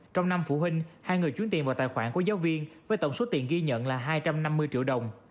trong năm phụ huynh hai người chuyển tiền vào tài khoản của giáo viên với tổng số tiền ghi nhận là hai trăm năm mươi triệu đồng